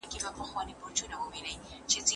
لامبو د بدن د ټولیز فعالیت سبب کېږي.